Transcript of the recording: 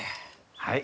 はい。